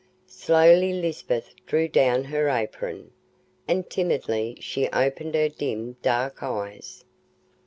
Slowly Lisbeth drew down her apron, and timidly she opened her dim dark eyes.